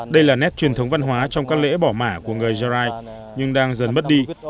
đây là nét truyền thống văn hóa trong các lễ bỏ mã của người gia lai nhưng đang dần bất đi